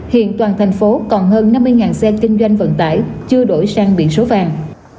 hiện toàn thành phố còn hơn năm mươi xe kinh doanh vận tải chưa đổi sang biển số vàng